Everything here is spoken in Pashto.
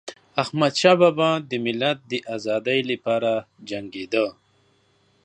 احمدشاه بابا د ملت د ازادی لپاره جنګيده.